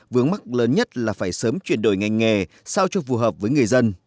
vướng mắt lớn nhất là phải sớm chuyển đổi ngành nghề sao cho phù hợp với người dân